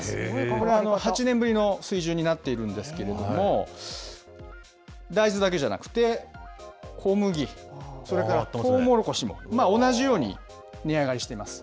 これは８年ぶりの水準になっているんですけれども、大豆だけじゃなくて、小麦、それからとうもろこしも同じように値上がりしてます。